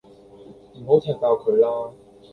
唔好踢爆佢喇